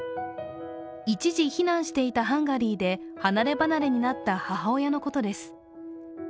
一時避難していたハンガリーで離れ離れになった母親のことです。